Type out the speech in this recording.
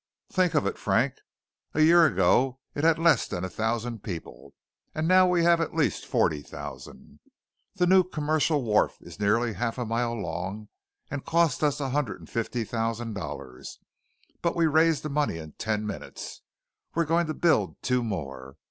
Think of it, Frank! A year ago it had less than a thousand people, and now we have at least forty thousand. The new Commercial Wharf is nearly half a mile long and cost us a hundred and fifty thousand dollars, but we raised the money in ten minutes! We're going to build two more.